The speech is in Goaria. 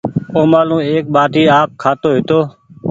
اومآلون ايڪ ٻآٽي آپ کآتو هيتو